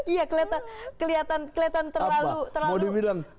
iya kelihatan terlalu